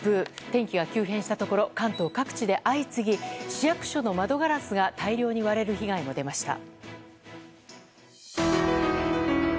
天気が急変したところ関東各地で相次ぎ市役所の窓ガラスが大量に割れる被害も出ました。